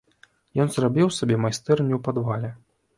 Ён зрабіў сабе майстэрню ў падвале.